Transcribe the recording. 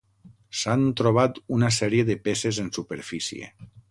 S'han trobat una sèrie de peces en superfície.